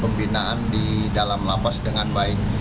pembinaan di dalam lapas dengan baik